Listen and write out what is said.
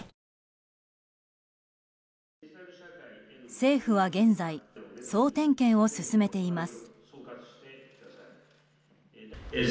政府は現在総点検を進めています。